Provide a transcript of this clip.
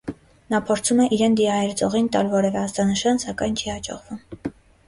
Նա փորձում է իրեն դիահերձողին տալ որևէ ազդանշան, սակայն չի հաջողվում։